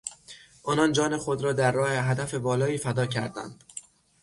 آنان جان خود را در راه هدف والایی فدا کردند.